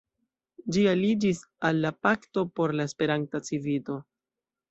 Ĝi aliĝis al la Pakto por la Esperanta Civito.